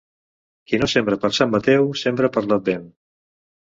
Qui no sembra per Sant Mateu, sembra per l'Advent.